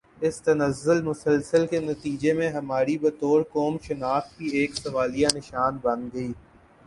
اس تنزل مسلسل کے نتیجے میں ہماری بطور قوم شناخت بھی ایک سوالیہ نشان بن گئی